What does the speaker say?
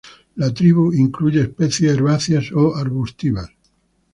La tribu incluye especies herbáceas o arbustivas.